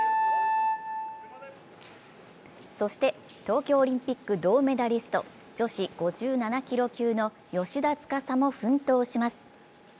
そして、東京オリンピック銅メダリスト、女子５７キロ級の芳田司も奮闘します。